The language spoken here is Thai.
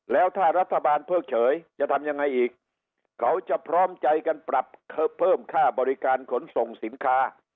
แล้วถ้ารัฐบาลเพิ่งเฉยจะทำยังไงอีกเขาจะพร้อมใจกันปรับเพิ่มค่าบริการขนส่งสินค้า